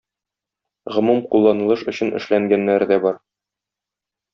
Гомум кулланылыш өчен эшләнгәннәре дә бар.